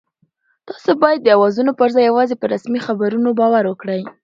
تاسو باید د اوازو پر ځای یوازې په رسمي خبرونو باور وکړئ.